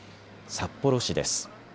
札幌市です。